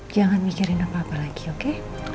jangan mikirin apa apa lagi oke